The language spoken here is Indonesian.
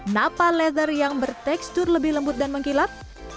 napa lether yang bertekstur lebih lembut dan mengkilap